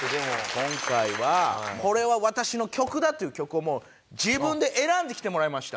今回はこれは私の曲だっていう曲をもう自分で選んできてもらいました。